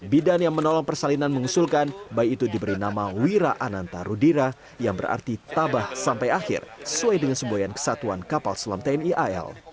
bidan yang menolong persalinan mengusulkan bayi itu diberi nama wira ananta rudira yang berarti tabah sampai akhir sesuai dengan semboyan kesatuan kapal selam tni al